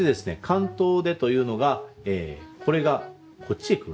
関東手というのがこれがこっちへ来るんですね。